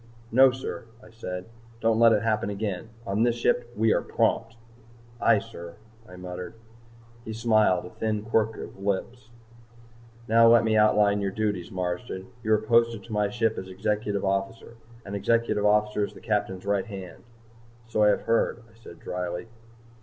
"No, sir," I said. "Don't let it happen again. On this ship we are prompt." "Aye, sir," I muttered. He smiled, a thin quirk of thin lips. "Now let me outline your duties, Marsden. You are posted to my ship as Executive Officer. An Executive Officer is the Captain's right hand." "So I have heard," I said drily.